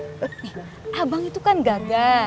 nih abang itu kan gagah